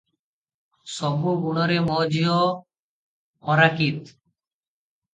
ସବୁ ଗୁଣରେ ମୋ ଝିଅ ଫରାକିତ ।